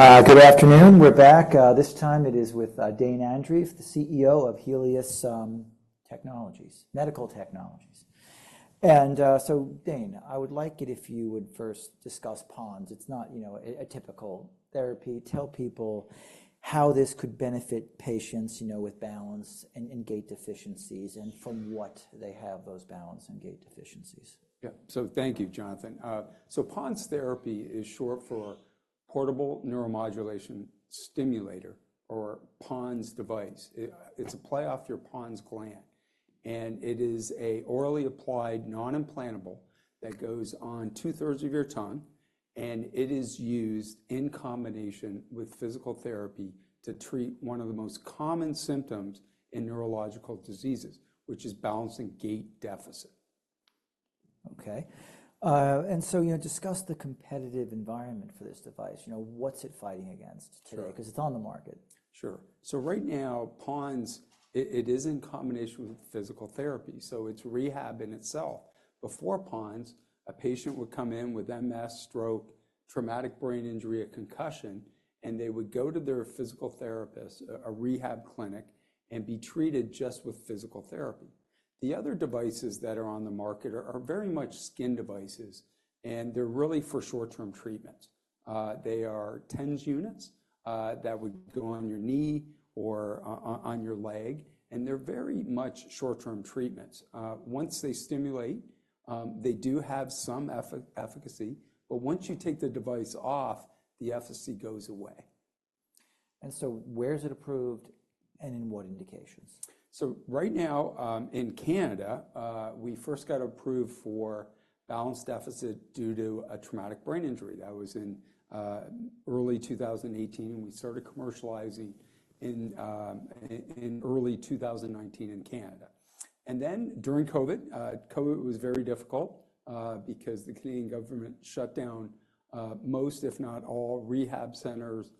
Good afternoon. We're back. This time it is with Dane Andreeff, the CEO of Helius Medical Technologies. So, Dane, I would like it if you would first discuss PoNS. It's not, you know, a typical therapy. Tell people how this could benefit patients, you know, with balance and gait deficiencies, and from what they have those balance and gait deficiencies. Yeah. So thank you, Jonathan. So PoNS therapy is short for Portable Neuromodulation Stimulator, or PoNS device. It's a play off your Pons gland. And it is an orally applied non-implantable that goes on two-thirds of your tongue, and it is used in combination with physical therapy to treat one of the most common symptoms in neurological diseases, which is balance and gait deficit. Okay. And so, you know, discuss the competitive environment for this device. You know, what's it fighting against today? Sure. 'Cause it's on the market. Sure. So right now, PoNS, it is in combination with physical therapy. So it's rehab in itself. Before PoNS, a patient would come in with MS, stroke, traumatic brain injury, a concussion, and they would go to their physical therapist, a rehab clinic, and be treated just with physical therapy. The other devices that are on the market are very much skin devices, and they're really for short-term treatments. They are TENS units that would go on your knee or on your leg, and they're very much short-term treatments. Once they stimulate, they do have some efficacy, but once you take the device off, the efficacy goes away. Where's it approved, and in what indications? So right now, in Canada, we first got approved for balance deficit due to a traumatic brain injury. That was in early 2018, and we started commercializing in early 2019 in Canada. And then during COVID, COVID was very difficult, because the Canadian government shut down most, if not all, rehab centers,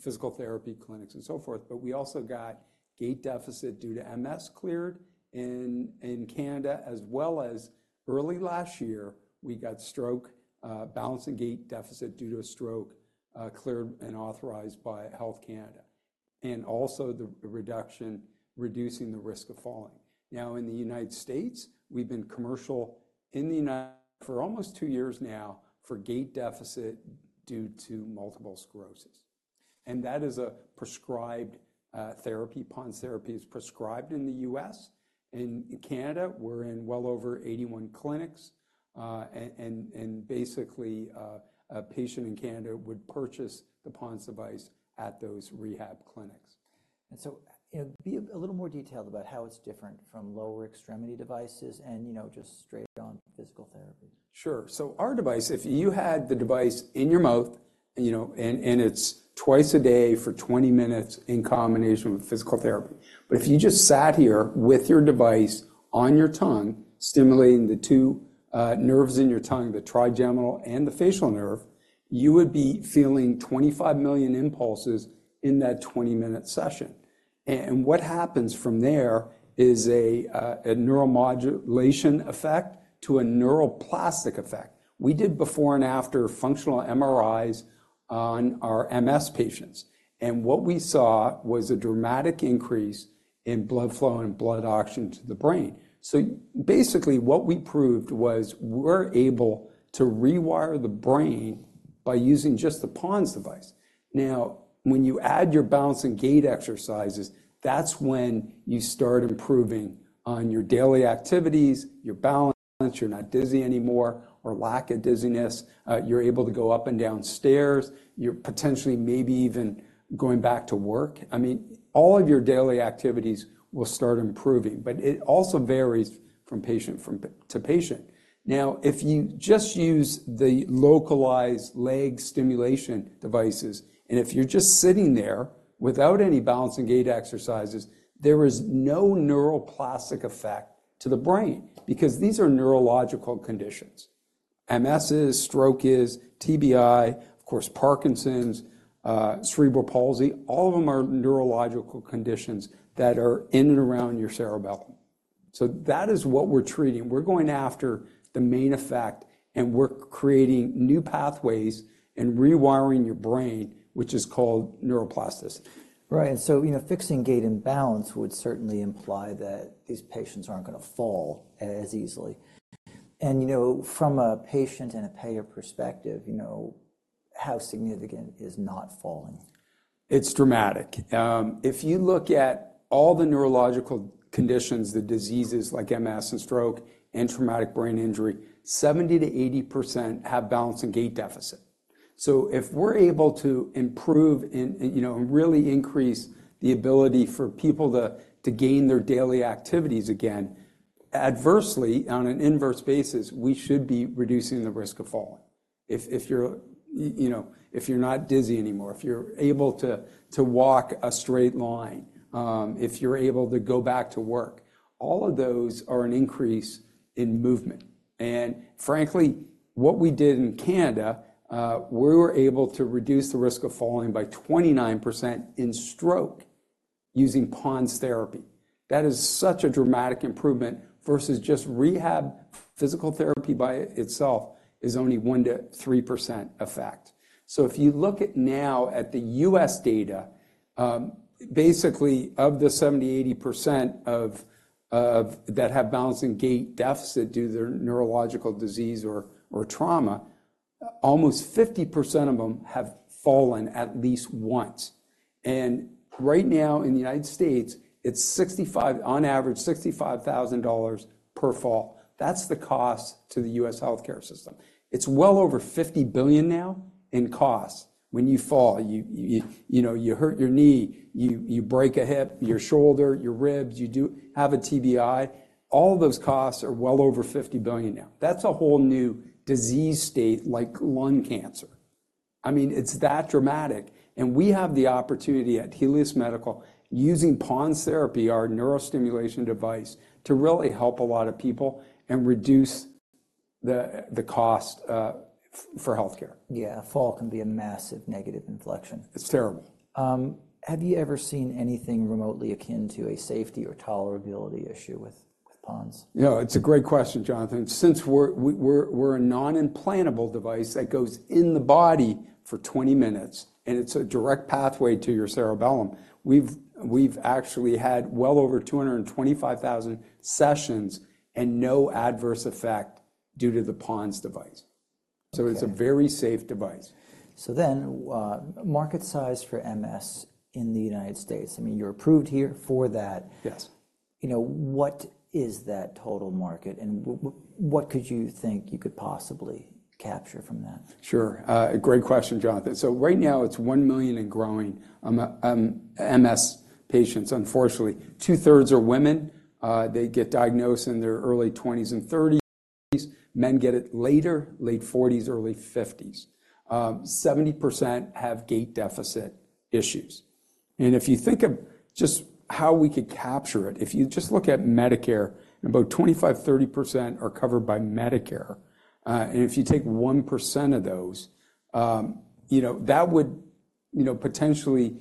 physical therapy clinics, and so forth. But we also got gait deficit due to MS cleared in Canada, as well as early last year, we got stroke, balance and gait deficit due to a stroke, cleared and authorized by Health Canada, and also the reduction reducing the risk of falling. Now, in the United States, we've been commercializing in the United States for almost two years now for gait deficit due to multiple sclerosis. And that is a prescribed therapy. PoNS therapy is prescribed in the U.S. In Canada, we're in well over 81 clinics. Basically, a patient in Canada would purchase the PoNS device at those rehab clinics. And so, you know, be a little more detailed about how it's different from lower extremity devices and, you know, just straight-on physical therapy. Sure. So our device, if you had the device in your mouth, you know, and it's twice a day for 20 minutes in combination with physical therapy, but if you just sat here with your device on your tongue, stimulating the two nerves in your tongue, the trigeminal and the facial nerve, you would be feeling 25 million impulses in that 20-minute session. And what happens from there is a neuromodulation effect to a neuroplastic effect. We did before and after functional MRIs on our MS patients, and what we saw was a dramatic increase in blood flow and blood oxygen to the brain. So basically, what we proved was we're able to rewire the brain by using just the PoNS device. Now, when you add your balance and gait exercises, that's when you start improving on your daily activities, your balance, you're not dizzy anymore or lack a dizziness. You're able to go up and down stairs. You're potentially maybe even going back to work. I mean, all of your daily activities will start improving, but it also varies from patient to patient. Now, if you just use the localized leg stimulation devices, and if you're just sitting there without any balance and gait exercises, there is no neuroplastic effect to the brain because these are neurological conditions. MS is, stroke is, TBI, of course, Parkinson's, cerebral palsy, all of them are neurological conditions that are in and around your cerebellum. So that is what we're treating. We're going after the main effect, and we're creating new pathways and rewiring your brain, which is called neuroplasticity. Right. And so, you know, fixing gait and balance would certainly imply that these patients aren't going to fall as easily. And, you know, from a patient and a payer perspective, you know, how significant is not falling? It's dramatic. If you look at all the neurological conditions, the diseases like MS and stroke and traumatic brain injury, 70%-80% have balance and gait deficit. So if we're able to improve in, you know, and really increase the ability for people to gain their daily activities again, adversely, on an inverse basis, we should be reducing the risk of falling. If you're, you know, if you're not dizzy anymore, if you're able to walk a straight line, if you're able to go back to work, all of those are an increase in movement. And frankly, what we did in Canada, we were able to reduce the risk of falling by 29% in stroke using PoNS therapy. That is such a dramatic improvement versus just rehab. Physical therapy by itself is only 1%-3% effect. So if you look at now at the U.S. data, basically of the 70%-80% of that have balancing gait deficit due to their neurological disease or trauma, almost 50% of them have fallen at least once. And right now in the United States, it's $65,000 on average per fall. That's the cost to the U.S. healthcare system. It's well over $50 billion now in cost when you fall. You know, you hurt your knee, you break a hip, your shoulder, your ribs, you do have a TBI. All those costs are well over $50 billion now. That's a whole new disease state like lung cancer. I mean, it's that dramatic. And we have the opportunity at Helius Medical using PoNS therapy, our neurostimulation device, to really help a lot of people and reduce the cost for healthcare. Yeah. Fall can be a massive negative inflection. It's terrible. Have you ever seen anything remotely akin to a safety or tolerability issue with PoNS? Yeah. It's a great question, Jonathan. Since we're a non-implanted device that goes in the body for 20 minutes, and it's a direct pathway to your cerebellum, we've actually had well over 225,000 sessions and no adverse effect due to the PoNS device. So it's a very safe device. Market size for MS in the United States. I mean, you're approved here for that. Yes. You know, what is that total market, and what could you think you could possibly capture from that? Sure. A great question, Jonathan. So right now it's 1 million and growing, MS patients. Unfortunately, two-thirds are women. They get diagnosed in their early 20s and 30s. Men get it later, late 40s, early 50s. 70% have gait deficit issues. And if you think of just how we could capture it, if you just look at Medicare, about 25%-30% are covered by Medicare. And if you take 1% of those, you know, that would, you know, potentially,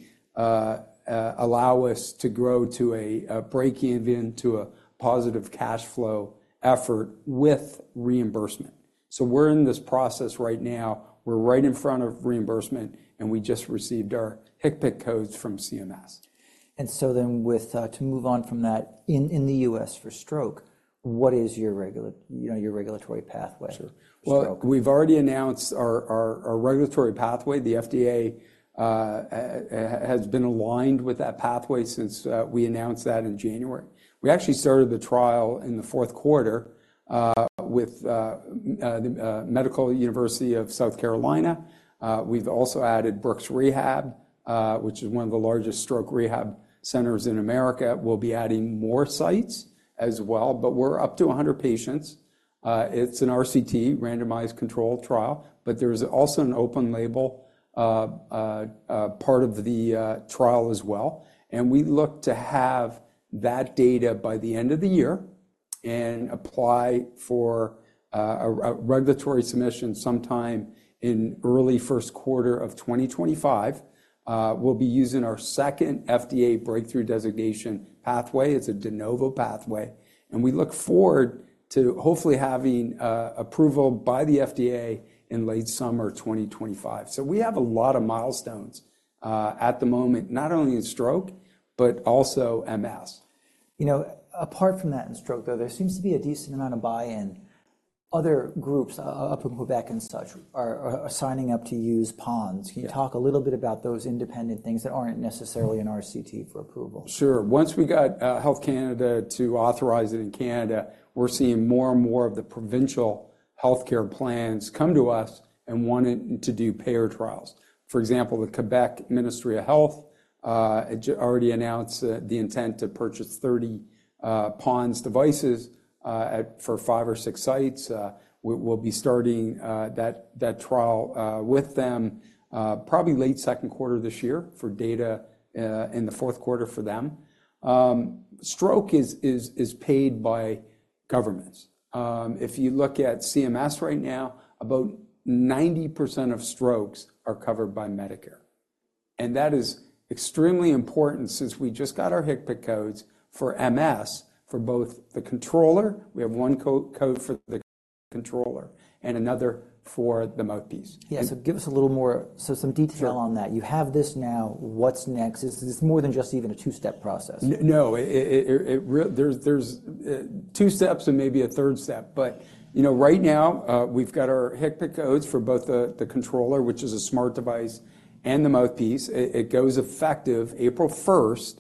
allow us to grow to a, a break-even to a positive cash flow effort with reimbursement. So we're in this process right now. We're right in front of reimbursement, and we just received our HCPCS codes from CMS. So then, to move on from that, in the U.S. for stroke, what is your regulatory, you know, your regulatory pathway for stroke? Sure. Well, we've already announced our regulatory pathway. The FDA has been aligned with that pathway since we announced that in January. We actually started the trial in the Q4 with the Medical University of South Carolina. We've also added Brooks Rehabilitation, which is one of the largest stroke rehab centers in America. We'll be adding more sites as well, but we're up to 100 patients. It's an RCT, randomized control trial, but there's also an open-label part of the trial as well. And we look to have that data by the end of the year and apply for a regulatory submission sometime in early Q1 of 2025. We'll be using our second FDA breakthrough designation pathway. It's a de novo pathway. And we look forward to hopefully having approval by the FDA in late summer 2025. We have a lot of milestones, at the moment, not only in stroke but also MS. You know, apart from that in stroke, though, there seems to be a decent amount of buy-in. Other groups, up in Quebec and such, are signing up to use PoNS. Can you talk a little bit about those independent things that aren't necessarily an RCT for approval? Sure. Once we got Health Canada to authorize it in Canada, we're seeing more and more of the provincial healthcare plans come to us and wanting to do payer trials. For example, the Quebec Ministry of Health had just already announced the intent to purchase 30 PoNS devices at for five or six sites. We'll be starting that trial with them probably late Q2 this year for data in the Q4 for them. Stroke is paid by governments. If you look at CMS right now, about 90% of strokes are covered by Medicare. And that is extremely important since we just got our HCPCS codes for MS for both the controller. We have one code for the controller and another for the mouthpiece. Yeah. Give us a little more, some detail on that. You have this now. What's next? Is this more than just even a two-step process? No. It refers, there's two steps and maybe a third step. But, you know, right now, we've got our HCPCS codes for both the controller, which is a smart device, and the mouthpiece. It goes effective April 1st,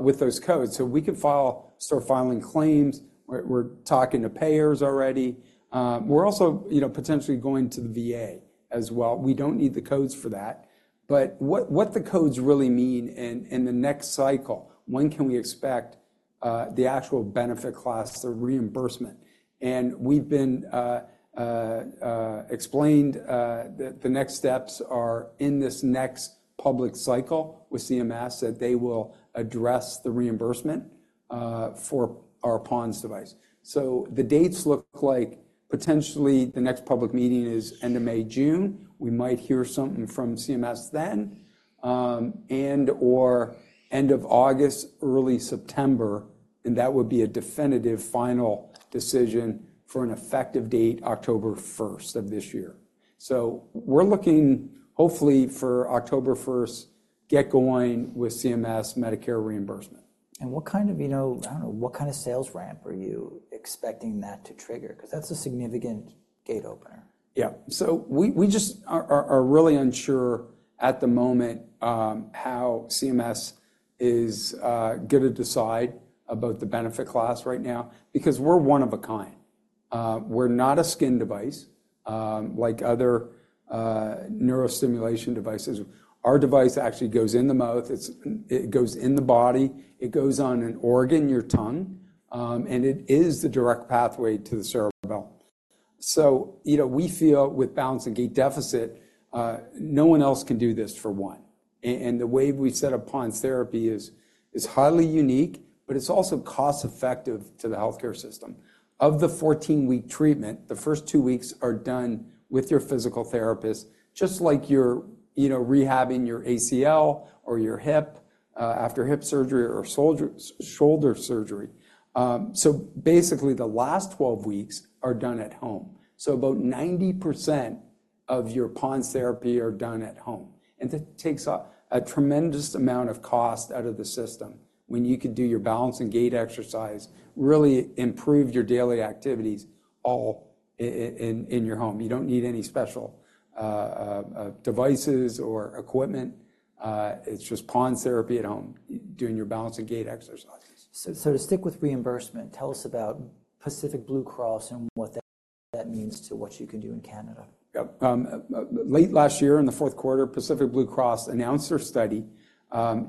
with those codes. So we can start filing claims. We're talking to payers already. We're also, you know, potentially going to the VA as well. We don't need the codes for that. But what the codes really mean in the next cycle, when can we expect the actual benefit class, the reimbursement? And we've been explained that the next steps are in this next public cycle with CMS that they will address the reimbursement for our PoNS device. So the dates look like potentially the next public meeting is end of May, June. We might hear something from CMS then, and/or end of August, early September. That would be a definitive final decision for an effective date, October 1st of this year. We're looking hopefully for October 1st, get going with CMS Medicare reimbursement. What kind of, you know, I don't know, what kind of sales ramp are you expecting that to trigger? 'Cause that's a significant gate opener. Yeah. So we just are really unsure at the moment, how CMS is going to decide about the benefit class right now because we're one of a kind. We're not a skin device, like other neurostimulation devices. Our device actually goes in the mouth. It goes in the body. It goes on an organ, your tongue, and it is the direct pathway to the cerebellum. So, you know, we feel with balance and gait deficit, no one else can do this for one. And the way we set up PoNS therapy is highly unique, but it's also cost-effective to the healthcare system. Of the 14-week treatment, the first two weeks are done with your physical therapist, just like you're, you know, rehabbing your ACL or your hip, after hip surgery or soldier shoulder surgery. So basically the last 12 weeks are done at home. About 90% of your PoNS therapy are done at home. That takes a tremendous amount of cost out of the system when you could do your balance and gait exercise, really improve your daily activities all in your home. You don't need any special devices or equipment. It's just PoNS therapy at home doing your balance and gait exercises. So, to stick with reimbursement, tell us about Pacific Blue Cross and what that means to what you can do in Canada. Yep. Late last year in the Q4, Pacific Blue Cross announced their study.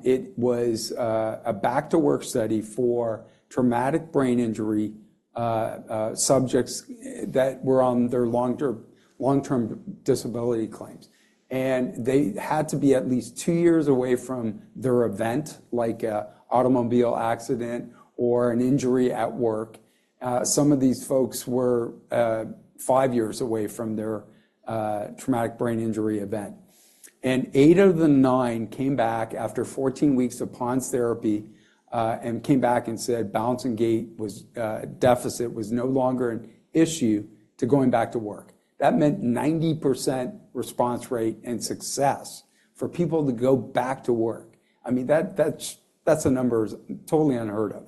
It was a back-to-work study for traumatic brain injury subjects that were on their long-term, long-term disability claims. And they had to be at least two years away from their event, like an automobile accident or an injury at work. Some of these folks were five years away from their traumatic brain injury event. And eight of the nine came back after 14 weeks of PoNS therapy, and came back and said balance and gait was, deficit was no longer an issue to going back to work. That meant 90% response rate and success for people to go back to work. I mean, that, that's, that's a number totally unheard of.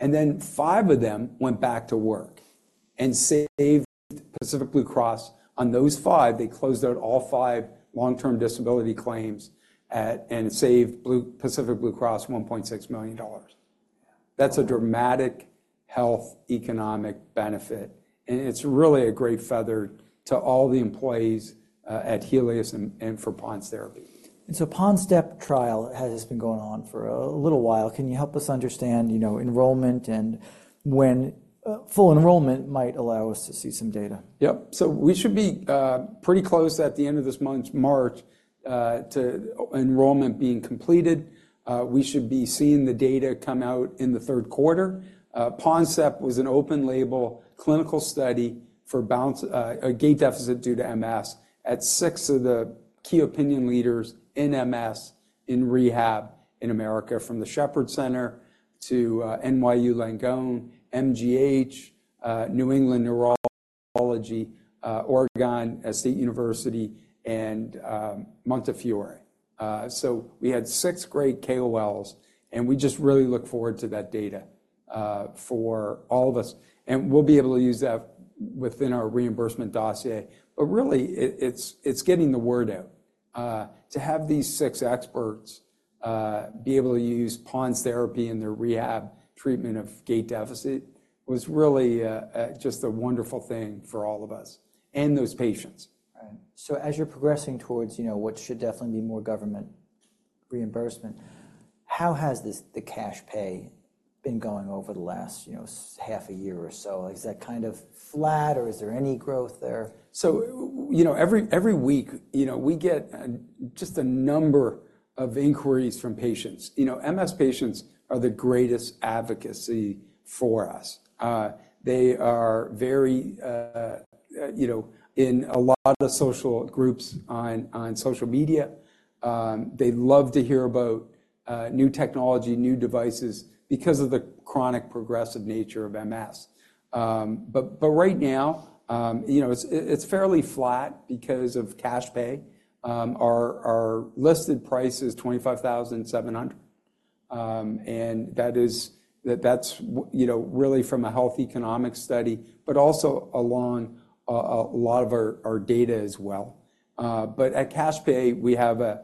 And then five of them went back to work and saved Pacific Blue Cross. On those five, they closed out all five long-term disability claims and saved Pacific Blue Cross $1.6 million. That's a dramatic health economic benefit. It's really a great feather to all the employees at Helius and, and for PoNS therapy. PONSTEP trial has been going on for a little while. Can you help us understand, you know, enrollment and when full enrollment might allow us to see some data? Yep. So we should be pretty close at the end of this month, March, to enrollment being completed. We should be seeing the data come out in the Q3. PONSTEP was an open-label clinical study for balance, gait deficit due to MS at six of the key opinion leaders in MS in rehab in America, from the Shepherd Center to NYU Langone, MGH, Neurology Center of New England, Oregon Health & Science University, and Montefiore. So we had six great KOLs, and we just really look forward to that data for all of us. And we'll be able to use that within our reimbursement dossier. But really, it's getting the word out to have these six experts be able to use PoNS therapy in their rehab treatment of gait deficit was really just a wonderful thing for all of us and those patients. Right. So as you're progressing towards, you know, what should definitely be more government reimbursement, how has the cash pay been going over the last, you know, say half a year or so? Is that kind of flat, or is there any growth there? So, you know, every week, you know, we get just a number of inquiries from patients. You know, MS patients are the greatest advocacy for us. They are very, you know, in a lot of social groups on social media. They love to hear about new technology, new devices because of the chronic progressive nature of MS. But right now, you know, it's fairly flat because of cash pay. Our listed price is $25,700. And that is, that's, you know, really from a health economic study but also along a lot of our data as well. But at cash pay, we have a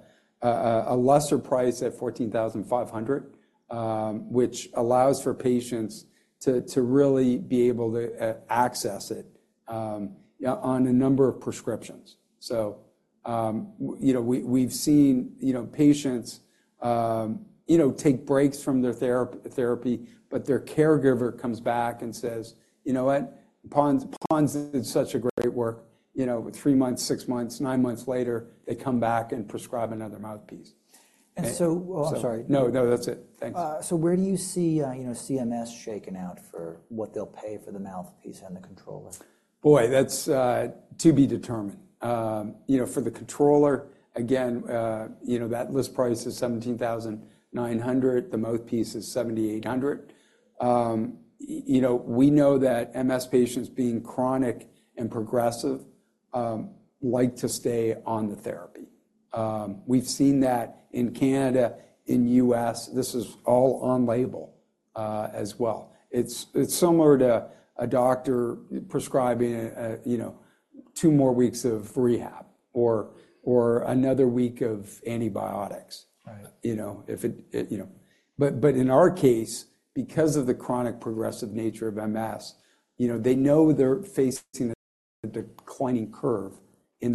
lesser price at $14,500, which allows for patients to really be able to access it, you know, on a number of prescriptions. So, you know, we've seen, you know, patients, you know, take breaks from their therapy, but their caregiver comes back and says, "You know what? PoNS, PoNS did such a great work." You know, 3 months, 6 months, 9 months later, they come back and prescribe another mouthpiece. And so, oh, I'm sorry. No, no, that's it. Thanks. Where do you see, you know, CMS shaking out for what they'll pay for the mouthpiece and the controller? Boy, that's to be determined. You know, for the controller, again, you know, that list price is $17,900. The mouthpiece is $7,800. You know, we know that MS patients being chronic and progressive like to stay on the therapy. We've seen that in Canada, in the US. This is all on-label, as well. It's similar to a doctor prescribing a, you know, two more weeks of rehab or another week of antibiotics. Right. You know, but in our case, because of the chronic progressive nature of MS, you know, they know they're facing a declining curve in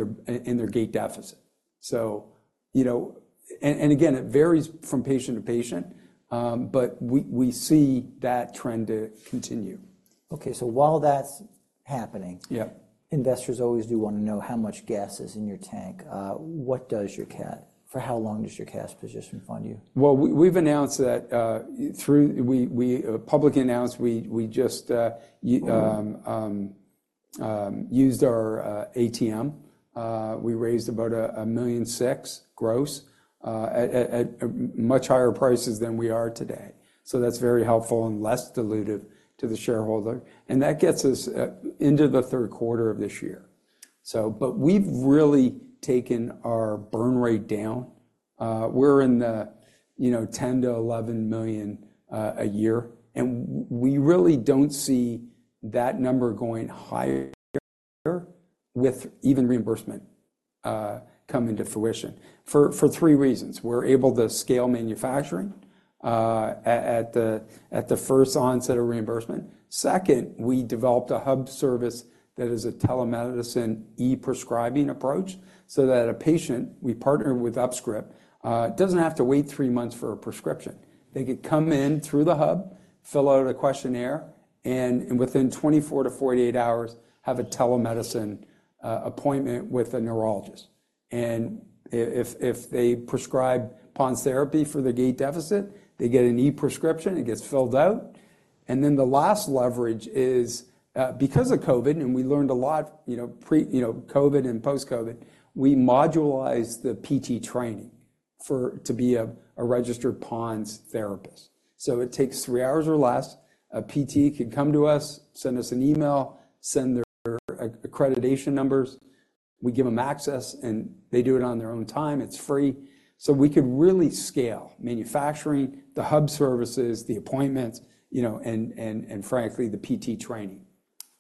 their gait deficit. So, you know, and again, it varies from patient to patient, but we see that trend to continue. Okay. So while that's happening. Yep. Investors always do want to know how much gas is in your tank. What does your cash for how long does your cash position fund you? Well, we've announced that we publicly announced we just used our ATM. We raised about $1.6 million gross at much higher prices than we are today. So that's very helpful and less dilutive to the shareholder. And that gets us into the Q3 of this year. But we've really taken our burn rate down. We're in the, you know, $10-11 million a year. And we really don't see that number going higher with even reimbursement coming to fruition for three reasons. We're able to scale manufacturing at the first onset of reimbursement. Second, we developed a hub service that is a telemedicine e-prescribing approach so that a patient we partner with UpScript doesn't have to wait three months for a prescription. They could come in through the hub, fill out a questionnaire, and within 24-48 hours, have a telemedicine appointment with a neurologist. If they prescribe PoNS therapy for their gait deficit, they get an e-prescription. It gets filled out. Then the last leverage is, because of COVID, and we learned a lot, you know, pre-COVID and post-COVID, we modularized the PT training to be a registered PoNS therapist. So it takes three hours or less. A PT could come to us, send us an email, send their accreditation numbers. We give them access, and they do it on their own time. It's free. So we could really scale manufacturing, the hub services, the appointments, you know, and frankly, the PT training.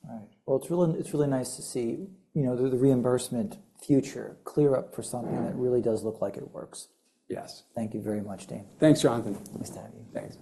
Right. Well, it's really it's really nice to see, you know, the reimbursement future clear up for something that really does look like it works. Yes. Thank you very much, Dane. Thanks, Jonathan. Nice to have you. Thanks.